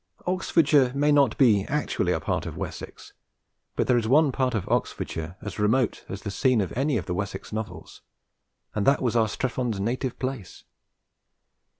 Oxfordshire may not be actually a part of Wessex, but there is one part of Oxfordshire as remote as the scene of any of the Wessex Novels, and that was our Strephon's native place.